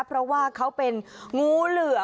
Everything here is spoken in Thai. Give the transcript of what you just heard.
เพราะว่าเขาเป็นงูเหลือ